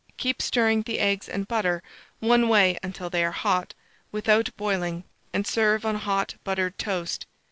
Keep stirring the eggs and butter one way until they are hot, without boiling, and serve on hot buttered toast.